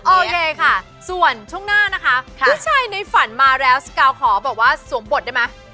โอเคค่ะส่วนช่วงหน้านะคะผู้ชายในฝันมาแล้วสกาวขอบอกว่าสวมบทได้ไหม